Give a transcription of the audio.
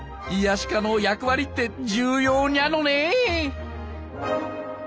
癒し課の役割って重要にゃのね。